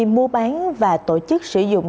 mua bán và tổ chức sử dụng